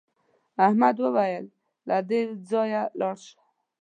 احمد وویل له دې ځایه لاړ شه.